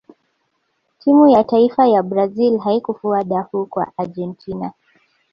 timu ya taifa ya brazil haikufua dafu kwa argentina